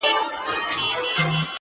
• لمرینو وړانګو ته به نه ځلیږي,